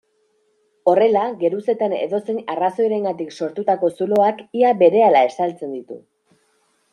Horrela, geruzetan edozein arrazoirengatik sortutako zuloak ia berehala estaltzen ditu.